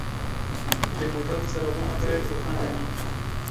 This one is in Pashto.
د موټر څراغونه باید روښانه وي.